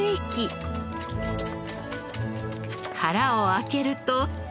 殻を開けると。